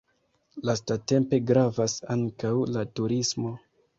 Lastatempe gravas ankaŭ la turismo.